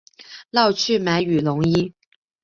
绕去买羽绒衣